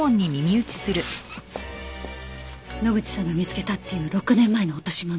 野口さんが見つけたっていう６年前の落とし物って。